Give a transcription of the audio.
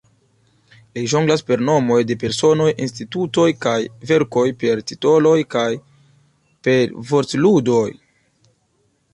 Li ĵonglas per nomoj de personoj, institutoj kaj verkoj, per titoloj kaj per vortludoj.